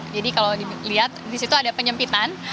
jadi kalau dilihat di situ ada penyempitan